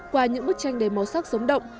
qua những bức tranh đầy màu sắc sống động